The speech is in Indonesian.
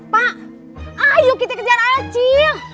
pak ayo kita kejar acil